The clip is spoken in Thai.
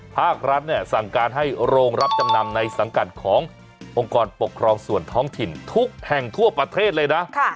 ภาครัฐเนี่ยสั่งการให้โรงรับจำนำในสังกัดขององค์กรปกครองส่วนท้องถิ่นทุกแห่งทั่วประเทศเลยนะ